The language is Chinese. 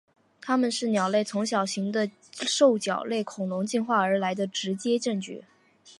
它们是鸟类从小型的兽脚类恐龙进化而来的直接证据。